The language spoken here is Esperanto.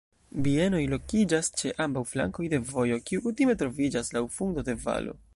Bienoj lokiĝas ĉe ambaŭ flankoj de vojo, kiu kutime troviĝas laŭ fundo de valo.